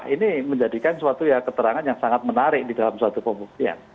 ini menjadikan suatu ya keterangan yang sangat menarik di dalam suatu pembuktian